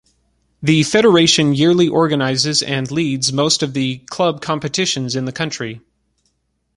The Federation yearly organizes and leads most of the club competitions in the country.